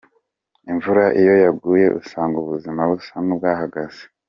Imvura iyo yaguye usanga ubuzima busa n’ubwahagaze.